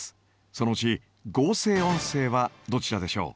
そのうち合成音声はどちらでしょう？